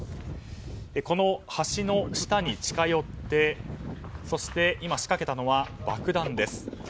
この橋の下に近寄ってそして仕掛けたのは爆弾です。